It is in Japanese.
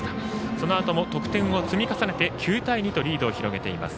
そのあとも得点を積み重ねて９対２とリードを広げています。